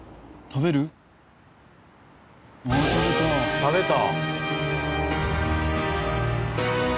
食べた。